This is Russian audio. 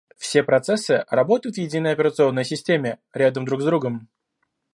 Все процессы работают в единой операционной системе, рядом друг с другом